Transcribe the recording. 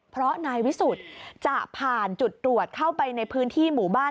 เพราะนายวิสุทธิ์จะผ่านจุดตรวจเข้าไปในพื้นที่หมู่บ้าน